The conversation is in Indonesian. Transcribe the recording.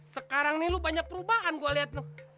sekarang nih lo banyak perubahan gue liat